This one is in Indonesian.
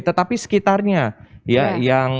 tetapi sekitarnya ya yang